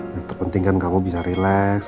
yang terpenting kan kamu bisa relax